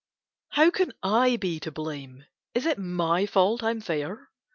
How can I be to blame? Is it my fault I am fair?